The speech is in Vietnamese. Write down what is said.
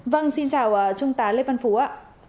vâng xin chào trung tá lê văn vũ ạ